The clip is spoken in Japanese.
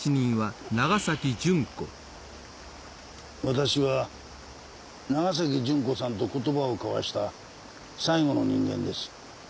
私は長崎純子さんと言葉を交わした最後の人間です。